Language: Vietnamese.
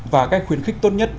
và cách khuyến khích tốt nhất